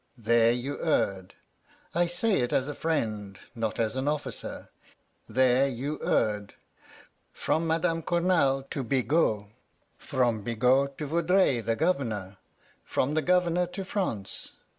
There you erred. I say it as a friend, not as an officer, there you erred. From Madame Cournal to Bigot, from Bigot to Vaudreuil the Governor, from the Governor to France.